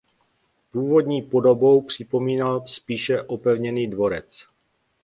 Původní podobou připomínal spíše opevněný dvorec.